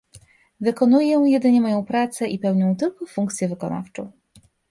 Wykonuję jedynie moją pracę i pełnię tylko funkcję wykonawczą